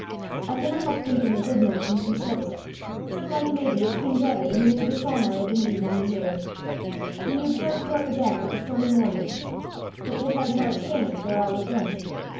I canna help thinkin' the guidman's i' some trible siclike, maybe, as King Dawvid whan he made the psalm I hae been readin' i' yer hearin'. Ye observt hoo it began like a stormy mornin', but ye h'ard hoo it changed or a' was dune.